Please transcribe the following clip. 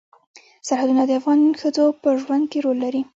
سرحدونه د افغان ښځو په ژوند کې رول لري.